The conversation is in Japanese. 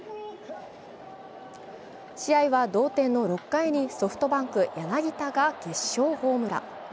試合は同点の６回にソフトバンク・柳田が決勝ホームラン。